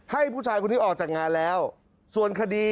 ให้ผู้ชายคนนี้ออกจากงานแล้ว